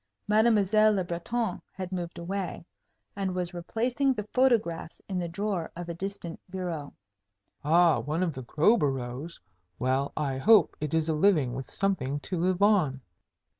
Mademoiselle Le Breton had moved away, and was replacing the photographs in the drawer of a distant bureau. "Ah, one of Crowborough's? Well, I hope it is a living with something to live on."